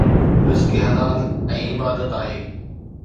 رزق حلال ۽ عبادت آهي